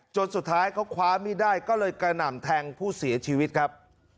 จนสุดท้ายเขาคว้ามีดได้ก็เลยกระหน่ำแทงผู้เสียชีวิตครับ